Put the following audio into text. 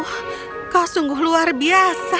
oh kau sungguh luar biasa